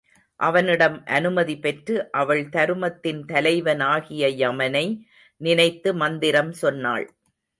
அவனிடம் அனுமதி பெற்று அவள் தருமத்தின் தலைவனாகிய யமனை நினைத்து மந்திரம் சொன்னாள்.